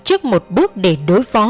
trước một bước để đối phó